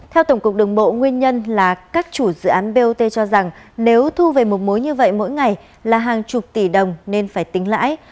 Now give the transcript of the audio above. theo tổng cục đường bộ nguyên nhân là các chủ dự án bot cho rằng nếu thu về một mối như vậy mỗi ngày là hàng chục tỷ đồng nên phải tính lãi